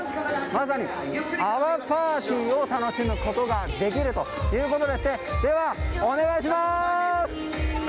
まさに泡パーティーを楽しむことができるということででは、お願いします！